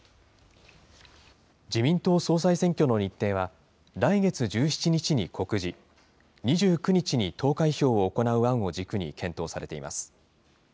自民党総裁選挙の日程は、来月１７日に告示、２９日に投開票を行う案を軸に検討されています。